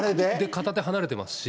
片手離れてますし。